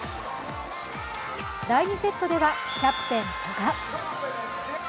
第２セットでは、キャプテン・古賀。